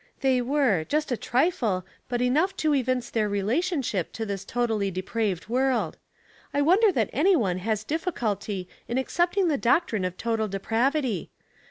" They were ; just a trifle, but enough to evi dence their relationship to this totally depraved world. I wonder that any one has difficulty ia accepting the doctrine of total depravity.